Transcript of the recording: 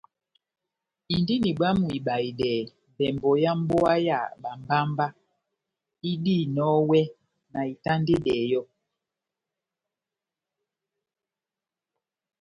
Indini bwámu ibahedɛ mbɛmbɔ yá mbówa yá bámbámbá idihinɔni iwɛ na itandedɛ yɔ́.